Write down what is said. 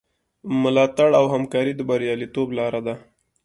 ملاتړ او همکاري د بریالیتوب لاره ده.